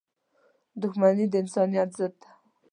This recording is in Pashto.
• دښمني د انسانیت ضد ده.